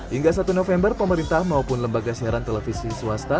hingga satu november pemerintah maupun lembaga siaran televisi swasta